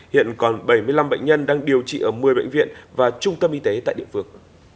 hiện còn bảy mươi năm bệnh nhân đang điều trị ở một mươi bệnh viện và trung tâm y tế tại địa phương